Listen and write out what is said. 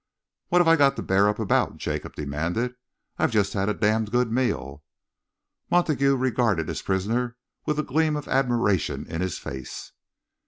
"What have I got to bear up about?" Jacob demanded. "I've just had a damned good meal." Montague regarded his prisoner with a gleam of admiration in his face.